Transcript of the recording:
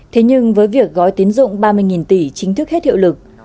thế nhưng với việc gói tín dụng ba mươi tỷ chính thức hết hiệu lực